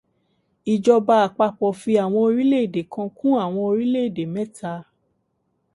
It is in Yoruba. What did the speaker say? Ìjọba àpapọ̀ fi àwọn orílẹ̀ èdè kan kún àwọn orílẹ̀èdè mẹ́ta.